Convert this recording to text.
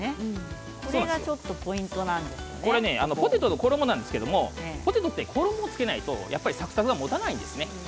これがポテトの衣なんですけれども、ポテトは衣をつけないとサクサクがもたないです。